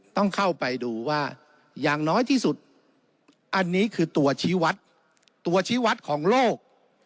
ต้องเข้าไปดูว่าอย่างน้อยที่สุดอันนี้คือตัวชี้วัดตัวชี้วัดของโลก